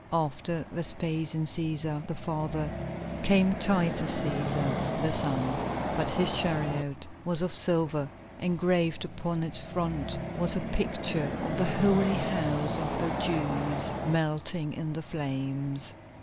After Vespasian Cæsar, the father, came Titus Cæsar, the son, but his chariot was of silver, and graved upon its front was a picture of the Holy House of the Jews melting in the flames.